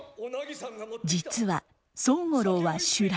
実は宗五郎は酒乱。